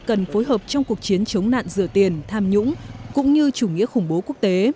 cần phối hợp trong cuộc chiến chống nạn rửa tiền tham nhũng cũng như chủ nghĩa khủng bố quốc tế